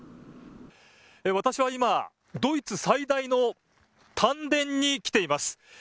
私は今、ドイツ最大の炭田に来ています。